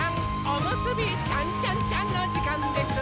おむすびちゃんちゃんちゃんのじかんです！